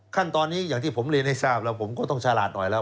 ขั้นตอนนี้อย่างที่ผมเรียนให้ทราบแล้วผมก็ต้องฉลาดหน่อยแล้ว